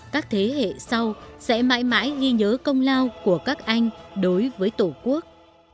các thế hệ sau sẽ mãi mãi ghi nhớ công lao của các anh đối với tổ quốc